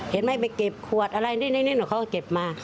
เห็นไหมไปเก็บขวดอะไรนี่เขาก็เก็บมา